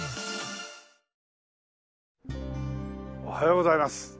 おはようございます。